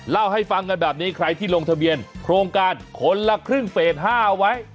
เล่าให้ฟังกันแบบนี้ใครที่ลงทะเบียนโครงการคนละครึ่งเฟส๕ไว้